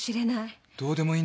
どうでもいいんだよ